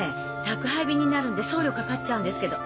宅配便になるんで送料かかっちゃうんですけど。